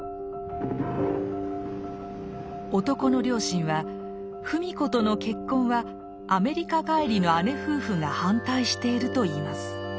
男の両親は芙美子との結婚はアメリカ帰りの姉夫婦が反対していると言います。